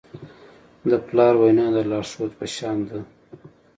د پلار وینا د لارښود په شان ده.